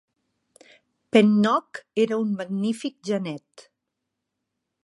Pennock era un magnífic genet.